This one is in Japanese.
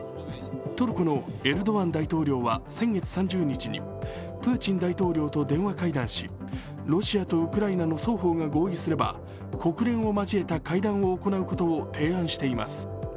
トルコのエルドアン大統領は先月３０日にプーチン大統領と電話会談しロシアとウクライナの双方が合意すれば国連を交えた会談を行うことを提案しています。